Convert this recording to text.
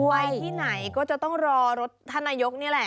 ไปที่ไหนก็จะต้องรอรถท่านนายกนี่แหละ